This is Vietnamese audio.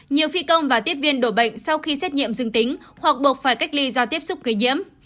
nhiều phi công và tiếp viên đổ bệnh sau khi xét nghiệm dương tính hoặc buộc phải cách ly do tiếp xúc gây nhiễm